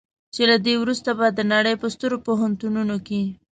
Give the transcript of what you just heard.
چې له دې وروسته به د نړۍ په سترو پوهنتونونو کې.